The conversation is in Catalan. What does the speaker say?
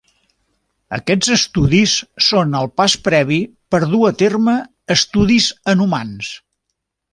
Aquests estudis són el pas previ per dur a terme estudis en humans.